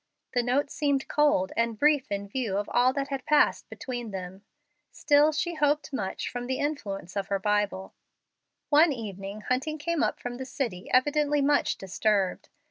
The note seemed cold and brief in view of all that had passed between them. Still, she hoped much from the influence of her Bible. One evening Hunting came up from the city evidently much disturbed.